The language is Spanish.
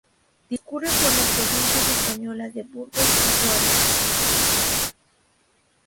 Discurre por las provincias españolas de Burgos y Soria.